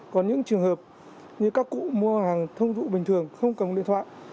còn những trường hợp như các cụ mua hàng thông thụ bình thường không cần điện thoại